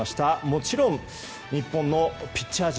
もちろん日本のピッチャー陣